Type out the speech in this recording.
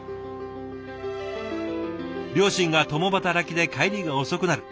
両親が共働きで帰りが遅くなる。